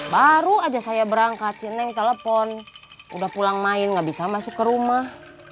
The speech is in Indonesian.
baru aja saya berangkat si neng telepon udah pulang main gak bisa masuk rumah